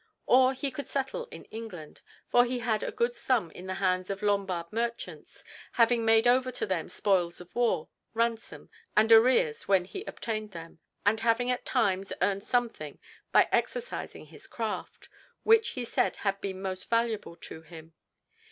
Or he could settle in England. For he had a good sum in the hands of Lombard merchants; having made over to them spoils of war, ransoms, and arrears when he obtained them; and having at times earned something by exercising his craft, which he said had been most valuable to him.